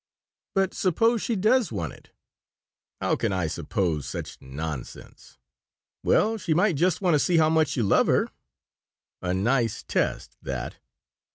"But suppose she does want it?" "How can I suppose such nonsense?" "Well, she might just want to see how much you love her." "A nice test, that."